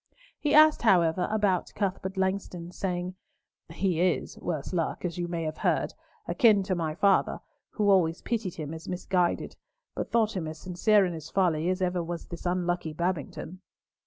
He asked, however, about Cuthbert Langston, saying, "He is—worse luck, as you may have heard—akin to my father, who always pitied him as misguided, but thought him as sincere in his folly as ever was this unlucky Babington."